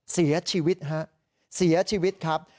เสียชีวิตครับ